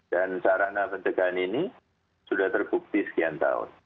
dan sarana mencegahan ini sudah terbukti sekian tahun